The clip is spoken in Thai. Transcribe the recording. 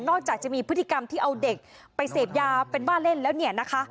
จากจะมีพฤติกรรมที่เอาเด็กไปเสพยาเป็นบ้าเล่นแล้วเนี่ยนะคะ